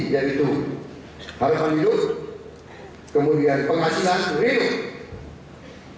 yaitu harapan hidup kemudian penghasilan real